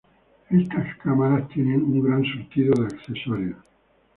Estas cámaras tienen un gran surtido de accesorios.